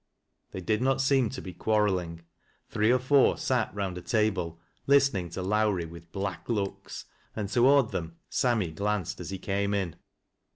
They did not seem to be quarreling. Three or four sat round a table listening to Lowrie with black looks, and toward them Sammy glanced as he came in.